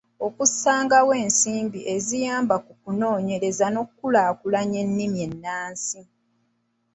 Okussangawo ensimbi eziyamba ku kunoonyereza n’okukulaakulanya ennimi ennansi